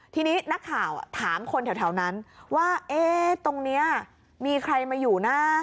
ทีนี้นักข่าวถามคนแถวนั้นว่าตรงนี้มีใครมาอยู่นะ